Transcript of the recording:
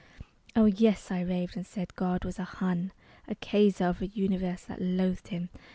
Oh, yes, I raved, and said God was a Hun, A Kaiser of a Universe that loathed him.